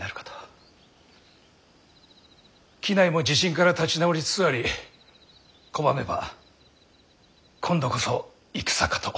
畿内も地震から立ち直りつつあり拒めば今度こそ戦かと。